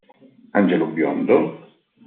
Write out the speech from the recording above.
Angelo biondo